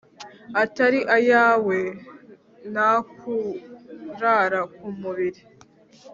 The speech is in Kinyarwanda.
atari ayawe ntakurara kumubili